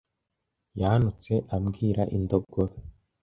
Yantutse ambwira indogobe.